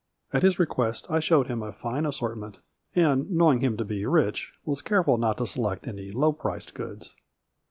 At his request I showed him a fine assort ment, and, knowing him to be rich, was careful not to select any low priced goods.